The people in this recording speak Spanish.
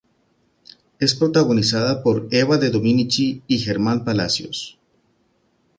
Es protagonizada por Eva de Dominici y Germán Palacios.